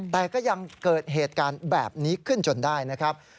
แต่ก็ยังเกิดเหตุการณ์แบบนี้ขึ้นจนได้นะครับ